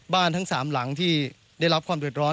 บ้านทั้ง๓หลังที่ได้รับความโดยร้อน